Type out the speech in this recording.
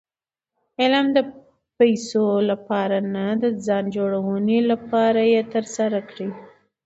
علم د پېسو له پاره نه، د ځان جوړوني له پاره ئې ترسره کړئ.